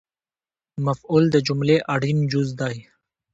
مفعول د جملې اړین جز دئ